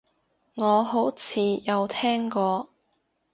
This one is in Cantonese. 我好似有聽過